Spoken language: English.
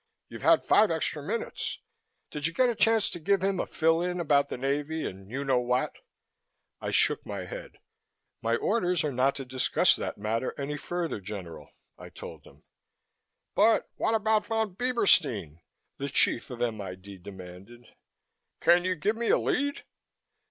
"You had five extra minutes. Did you get a chance to give him a fill in about the Navy and you know what?" I shook my head. "My orders are not to discuss that matter any further, General," I told him. "But what about Von Bieberstein?" the chief of M.I.D. demanded. "Can you give me a lead?"